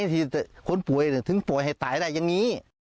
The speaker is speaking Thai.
ที่คนป่วยถึงป่วยให้ตายได้อย่างนี้